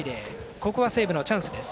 ここは西武のチャンスです。